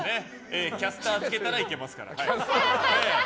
キャスターをつけたらいけますから。